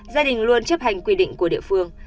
gia đình luôn chấp hành quy định của địa phương